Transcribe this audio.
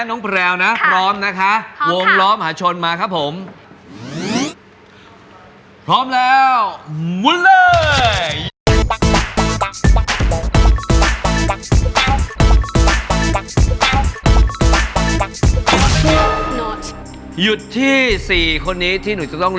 น้องไมค์หันไปทักทายพี่เชอรี่หน่อยลูก